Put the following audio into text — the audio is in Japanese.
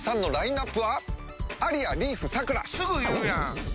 すぐ言うやん！